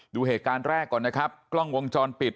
ดูเหตุการณ์แรกก่อนนะครับกล้องวงจรปิด